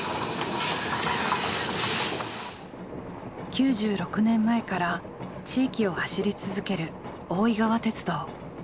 ９６年前から地域を走り続ける大井川鉄道。